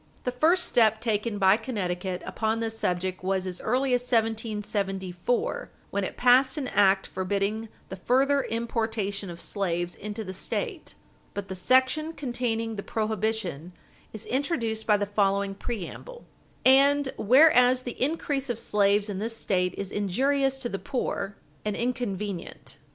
The first step taken by Connecticut upon this subject was as early as 1774, wen it passed an act forbidding the further importation of slaves into the State. But the section containing the prohibition is introduced by the following preamble: "And whereas the increase of slaves in this State is injurious to the poor, and inconvenient."